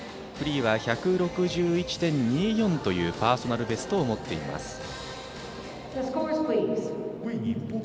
フリーは１６１．２４というパーソナルベストを持っています。